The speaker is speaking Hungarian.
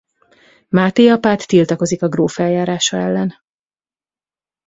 Máté apát tiltakozik a gróf eljárása ellen.